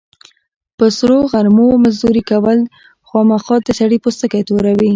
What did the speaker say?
په سرو غرمو مزدوري کول، خوامخا د سړي پوستکی توروي.